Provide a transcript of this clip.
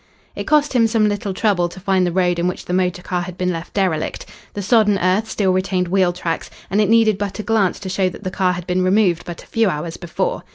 It cost him some little trouble to find the road in which the motor car had been left derelict. The sodden earth still retained wheel tracks, and it needed but a glance to show that the car had been removed but a few hours before.